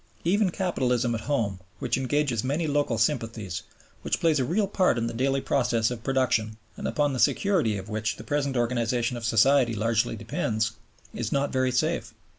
Even capitalism at home, which engages many local sympathies, which plays a real part in the daily process of production, and upon the security of which the present organization of society largely depends, is not very safe.